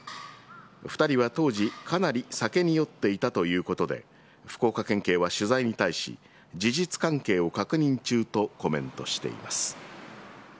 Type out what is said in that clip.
２人は当時、かなり酒に酔っていたということで、福岡県警は取材に対し、事実関係を確認中とコメントしています。